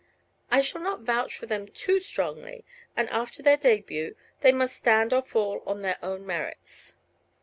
I shall not vouch for them too strongly, and after their debut they must stand or fall on their own merits."